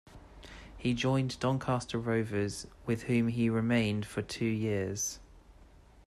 He joined Doncaster Rovers, with whom he remained for two years.